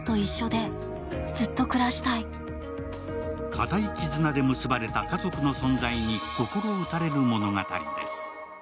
固い絆で結ばれた家族の存在に心打たれる物語です。